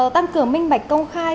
tăng cửa minh bạch công khai